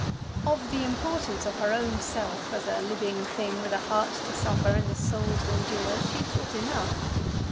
Of the importance of her own self as a living thing with a heart to suffer and a soul to endure, she thought enough.